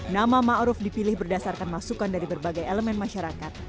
nama ma'ruf dipilih berdasarkan masukan dari berbagai elemen masyarakat